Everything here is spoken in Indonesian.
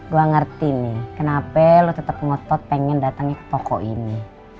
gue ngerti nih kenapa lo tetap ngotot pengen datangnya ke toko ini